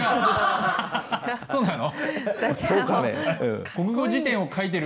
そうなの？